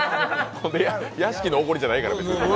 屋敷のおごりじゃないから、別に。